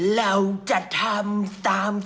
เราจะทำตามสัญญาขอเวลาอีกไม่นาน